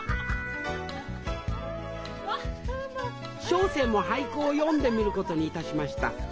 小生も俳句を詠んでみることにいたしました。